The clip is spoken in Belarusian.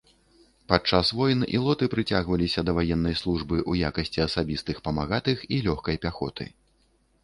Падчас войн ілоты прыцягваліся да ваеннай службы ў якасці асабістых памагатых і лёгкай пяхоты.